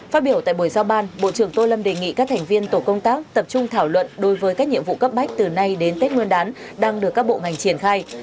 phát biểu tại buổi giao ban bộ trưởng tô lâm đề nghị các thành viên tổ công tác tập trung thảo luận đối với các nhiệm vụ cấp bách từ nay đến tết nguyên đán đang được các bộ ngành triển khai